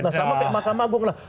nah sama kayak mahkamah agung lah